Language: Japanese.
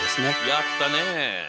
やったね。